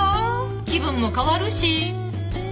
気分も変わるし。